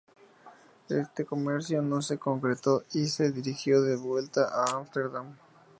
Este comercio no se concretó y se dirigió de vuelta a Ámsterdam.